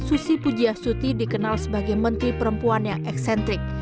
susi pujiasuti dikenal sebagai menteri perempuan yang eksentrik